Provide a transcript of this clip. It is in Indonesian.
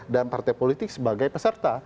dan partai politik sebagai peserta